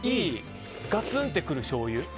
ガツンってくるしょうゆ。